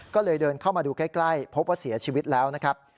ก็เลยเดินเข้ามาดูใกล้พบว่าเสียชีวิตแล้วนะครับ